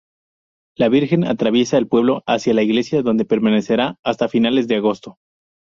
La Virgen atraviesa el pueblo hacia la iglesia donde permanecerá hasta finales de agosto.